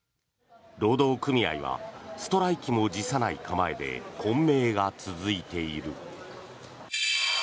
労働組合はストライキも辞さない構えで混迷が続いている。